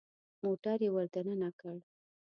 موټر يې ور دننه کړ.